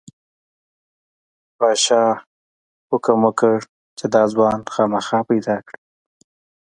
پادشاه حکم وکړ چې دا ځوان خامخا پیدا کړئ.